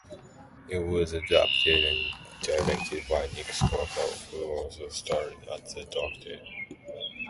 It was adapted and directed by Nick Scovell, who also starred as the Doctor.